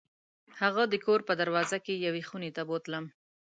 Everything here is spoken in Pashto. هغه د کور په دروازه کې یوې خونې ته بوتلم.